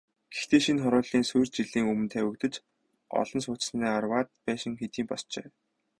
Гэхдээ шинэ хорооллын суурь жилийн өмнө тавигдаж, орон сууцны арваад байшин хэдийн босжээ.